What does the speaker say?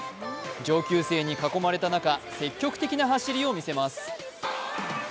上級生に囲まれた中、積極的な走りを見せます。